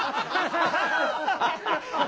ハハハハ。